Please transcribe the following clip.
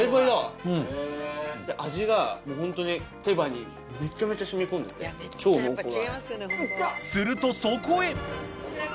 味が本当に手羽にめちゃめちゃ染み込んで超濃厚。